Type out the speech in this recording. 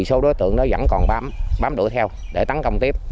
số đối tượng đó vẫn còn bám đuổi theo để tấn công tiếp